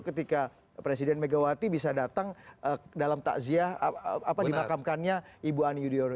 ketika presiden megawati bisa datang dalam takziah dimakamkannya ibu ani yudhoyono